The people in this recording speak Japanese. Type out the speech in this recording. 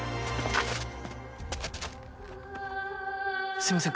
すいません